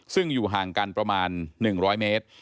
ซึ่งอยู่ห่างกันประมาณ๑๐๐เมตร